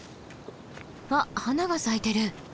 あっ花が咲いてる！